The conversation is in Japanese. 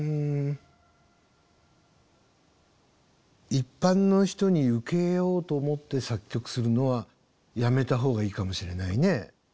一般の人に受けようと思って作曲するのはやめたほうがいいかもしれないね。